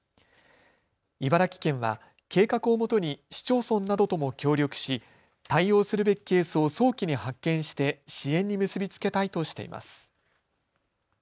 茨城県は計画をもとに市町村などとも協力し対応するべきケースを早期に発見して支援に結び付けたいとしています。